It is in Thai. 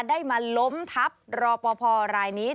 ได้มาล้มทับรอปภรายนี้